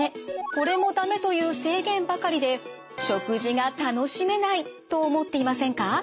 「これもダメ」という制限ばかりで食事が楽しめないと思っていませんか？